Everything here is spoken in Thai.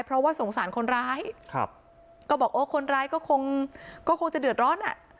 เพราะว่าสงสารคนร้ายครับก็บอกโอ้คนร้ายก็คงก็คงจะเดือดร้อนอ่ะ